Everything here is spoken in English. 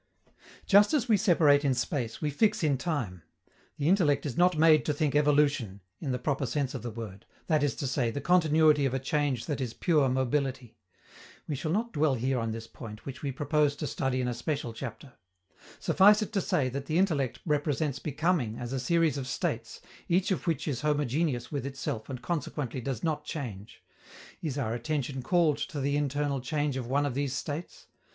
Just as we separate in space, we fix in time. The intellect is not made to think evolution, in the proper sense of the word that is to say, the continuity of a change that is pure mobility. We shall not dwell here on this point, which we propose to study in a special chapter. Suffice it to say that the intellect represents becoming as a series of states, each of which is homogeneous with itself and consequently does not change. Is our attention called to the internal change of one of these states?